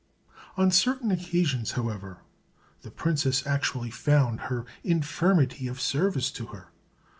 On certain occasions, however, the princess actually found her infirmity of service to her.